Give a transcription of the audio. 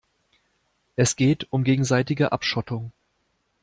Es geht um gegenseitige Abschottung.